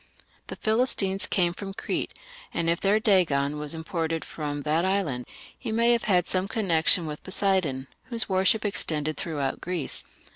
The Philistines came from Crete, and if their Dagon was imported from that island, he may have had some connection with Poseidon, whose worship extended throughout Greece.